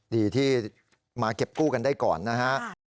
ดีที่มาเก็บกู้กันได้ก่อนนะฮะ